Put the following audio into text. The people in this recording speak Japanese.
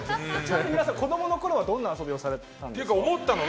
皆さん、子供のころはどんな遊びをされていたんですか。